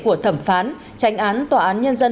của thẩm phán tránh án tòa án nhân dân